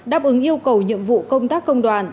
đáp ứng yêu cầu nhiệm vụ công tác công đoàn